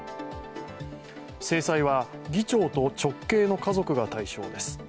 制裁は、議長と直系の家族が対象です。